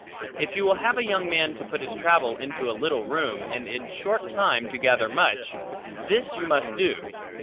If you will have a young man to put his travel into a little room, and in short time to gather much, this you must do.